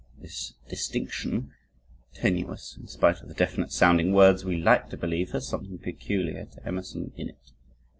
This distinction, tenuous, in spite of the definite sounding words, we like to believe has something peculiar to Emerson in it.